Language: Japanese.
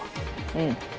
うん。